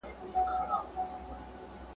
په دوا چي یې رڼا سوې دواړي سترګي `